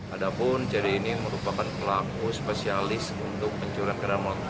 ada pun jadi ini merupakan pelaku spesialis untuk pencurian keramot